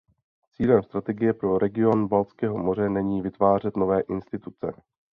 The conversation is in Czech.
Cílem strategie pro region Baltského moře není vytvářet nové instituce.